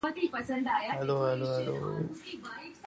Arafat's speech drew sympathy from attending Arab leaders.